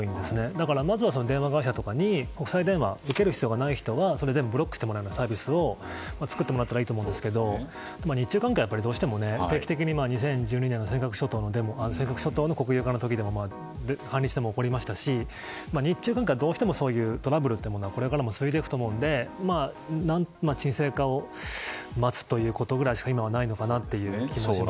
だからまずは電話会社とかに国際電話を受ける必要がない人はそれを全部ブロックしてもらうサービスを作ればいいんですがでも日中関係はどうしても定期的に、尖閣諸島の国有化の時も反日デモが起こりましたし日中関係はどうしても、そういうトラブルはこれからも続くと思うので沈静化を待つことしか今はないのかなという気がします。